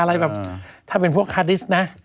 อะไรแบบถ้าเป็นพวกคาดิสต์นะ